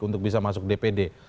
untuk bisa masuk dpd